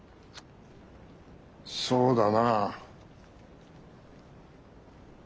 そうだな。